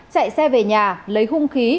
chạy xe về nhà lấy hung khí